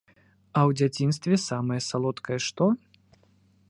А ў дзяцінстве самае салодкае што?